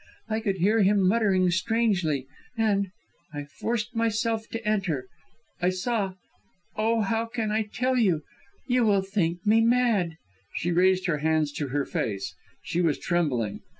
I could hear him muttering strangely, and I forced myself to enter! I saw oh, how can I tell you! You will think me mad!" She raised her hands to her face; she was trembling.